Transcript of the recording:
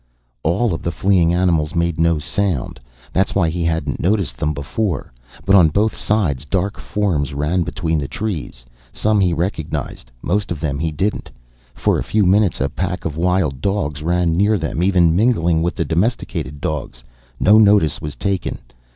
All of the fleeing animals made no sound, that's why he hadn't noticed them before. But on both sides dark forms ran between the trees. Some he recognized, most of them he didn't. For a few minutes a pack of wild dogs ran near them, even mingling with the domesticated dogs. No notice was taken.